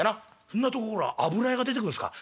「そんなとこ油屋が出てくんすか？」。